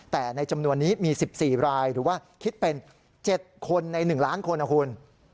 แต่ในจำนวนนี้มี๑๔รายหรือว่าคิดเป็น๗คนใน๑ล้านคนนะคุณ